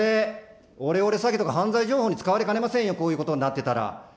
これ、オレオレ詐欺とか犯罪情報に使われかねませんよ、こういうことになってたら。